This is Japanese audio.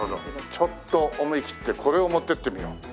ちょっと思い切ってこれを持っていってみよう。